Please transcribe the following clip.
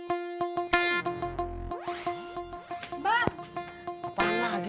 enggak tapi serius bang